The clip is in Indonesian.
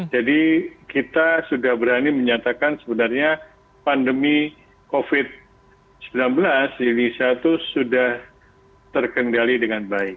jadi kita sudah berani menyatakan sebenarnya pandemi covid sembilan belas di indonesia itu sudah terkendali dengan baik